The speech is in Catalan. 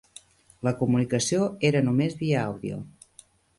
La comunicació era només via àudio.